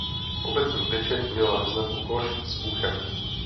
Obecní pečeť měla ve znaku koš s uchem.